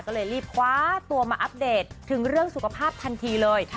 ก็เลยรีบคว้าตัวมาอัปเดตถึงเรื่องสุขภาพทันทีเลย